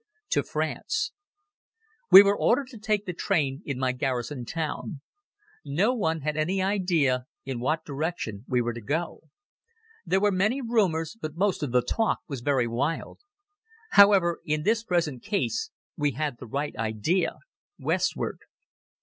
To France WE were ordered to take the train in my garrison town. No one had any idea in what direction we were to go. There were many rumors but most of the talk was very wild. However, in this present case, we had the right idea: westward.